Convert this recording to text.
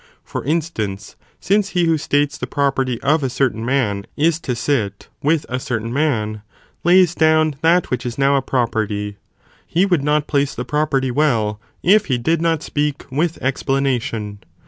For instance, since he who states the property of a certain man, is to sit with a certain man, lays down that which is now a property ; he would not place the property well, if he did not speak with explana tion.